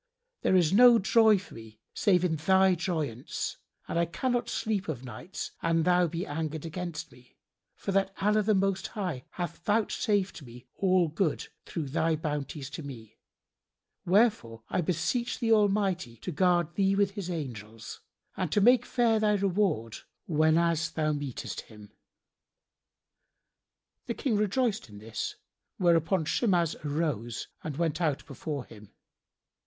There is no joy for me save in thy joyance and I cannot sleep o' nights an thou be angered against me, for that Allah the Most High hath vouchsafed me all good through thy bounties to me: wherefore I beseech the Almighty to guard thee with His angels, and to make fair thy reward whenas thou meetest Him." The King rejoiced in this, whereupon Shimas arose and went out from before him.